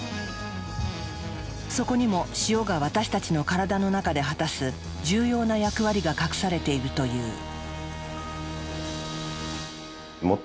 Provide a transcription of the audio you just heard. そこにも塩が私たちの体の中で果たす重要な役割が隠されているという。